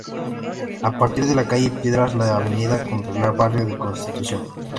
A partir de la calle Piedras, la avenida entra al barrio de Constitución.